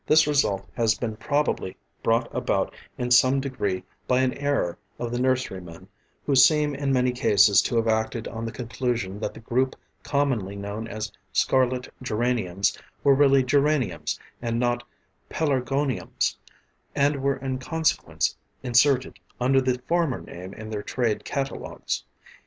This result has been probably brought about in some degree by an error of the nurserymen, who seem in many cases to have acted on the conclusion that the group commonly known as Scarlet Geraniums were really geraniums and not pelargoniums, and were in consequence inserted under the former name in their trade catalogues.